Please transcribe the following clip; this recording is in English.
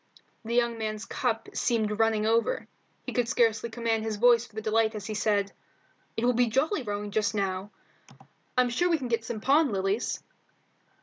The young man's cup seemed running over. He could scarcely command his voice for delight as he said "It will be jolly rowing just now. I'm sure we can get some pond lilies."